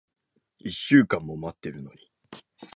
一週間も待ってるのに。